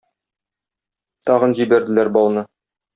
Тагын җибәрделәр бауны.